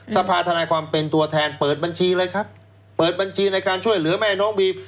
สภาธนายความเป็นตัวแทนเปิดบัญชีเลยครับเปิดบัญชีในการช่วยเหลือแม่น้องบีม